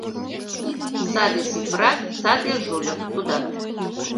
Саде Цифрат, саде жульык, тудат.